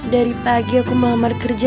dari pagi aku melamar kerja